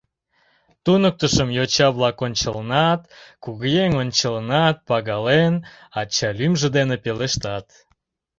Туныктышым йоча-влак ончылнат, кугыеҥ ончылнат, пагален, ача лӱмжӧ дене пелештат.